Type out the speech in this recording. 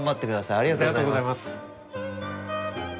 ありがとうございます。